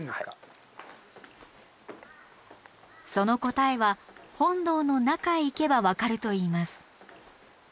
その答えは本堂の中へ行けば分かるといいます。